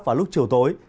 vào lúc chiều tối